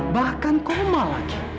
bahkan koma lagi